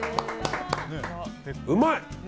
うまい！